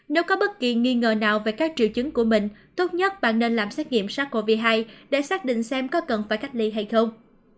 nếu có bất kỳ nghi ngờ nào về các triều chứng của mình tốt nhất bạn nên làm xét nghiệm sars cov hai để xác định xem có cần phải cách ly hay không